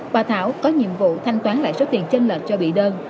bà thảo có nhiệm vụ thanh toán lại số tiền trên lệch cho bị đơn